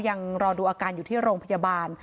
ยังรอดูอาการอยู่ที่โรงพยาบาล